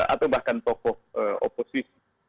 atau bahkan tokoh oposisi